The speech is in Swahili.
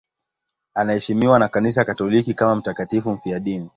Anaheshimiwa na Kanisa Katoliki kama mtakatifu mfiadini.